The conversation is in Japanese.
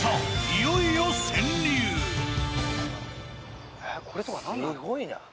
いよいよすごいな。